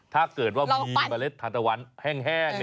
ถ้าเกิดว่ามีเมล็ดทานตะวันแห้ง